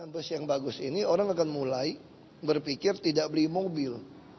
bus yang bagus ini orang akan mulai berpikir tidak beli mobil